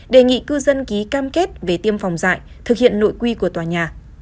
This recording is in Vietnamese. đề nghị cư dân ký cam kết về tiêm phòng dại thực hiện nội quy của tòa nhà